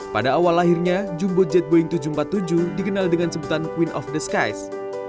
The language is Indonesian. pada awal lahirnya jumbo jet boeing tujuh ratus empat puluh tujuh dikenal dengan sebutan queen of the skys